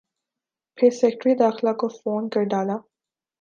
پھر سیکرٹری داخلہ کو فون کر ڈالا۔